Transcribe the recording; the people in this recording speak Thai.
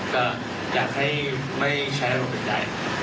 ก็อยากให้ไม่ใช้อารมณ์ใด